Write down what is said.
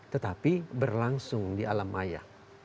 tetapi berlangsung di alam maya